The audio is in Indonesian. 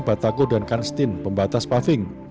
batago dan kanstin pembatas paving